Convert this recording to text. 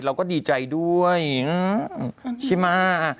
เราก็ดีใจด้วยใช่ไหม